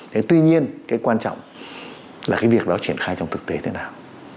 thế tuy nhiên cái quan trọng là cái việc đó triển khai trong thực tế thế nào